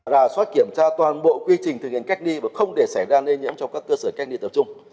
rà soát kiểm tra toàn bộ quy trình thực hiện cách ly và không để xảy ra lây nhiễm trong các cơ sở cách ly tập trung